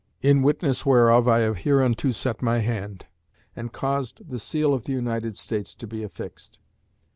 In witness whereof I have hereunto set my hand and caused the seal of the United States to be affixed.